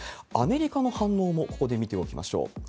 アメリカの反応もここで見ておきましょう。